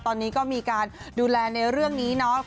ตอนนี้ก็มีการดูแลในเรื่องนี้เนาะ